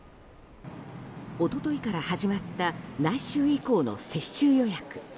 一昨日から始まった来週以降の接種予約。